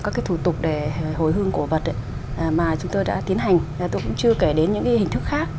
các cái thủ tục